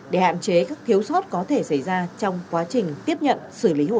để hạn chế các thiếu sót có thể xảy ra trong quá trình tiếp nhận xử lý hồ sơ